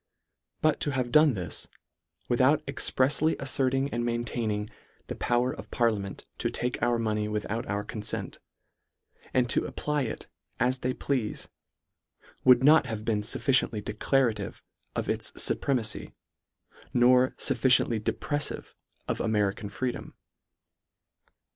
But to have done this, without exprefsly afferting and maintaining " the power of parliament to take our mo ney without our confent," and to apply it as they pleafe, would not have been fufficiently declarative of its fupremacy, nor fufficiently depreffive of American freedom.